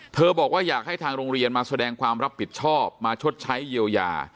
บอกว่าอยากให้ทางโรงเรียนมาแสดงความรับผิดชอบมาชดใช้เยียวยา